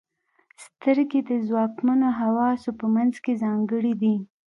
• سترګې د ځواکمنو حواسو په منځ کې ځانګړې دي.